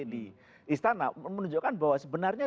di istana menunjukkan bahwa sebenarnya